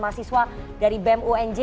mahasiswa dari bem unj